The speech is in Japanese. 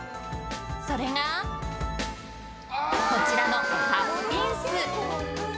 それが、こちらのパッピンス！